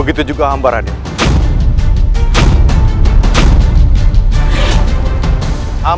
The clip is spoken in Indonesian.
masuklah ke dalam